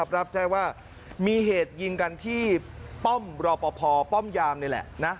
รับแจ้งว่ามีเหตุยิงกันที่ป้อมรอปภป้อมยามนี่แหละ